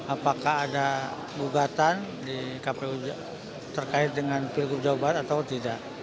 apakah ada gugatan di kpu terkait dengan pilgub jawa barat atau tidak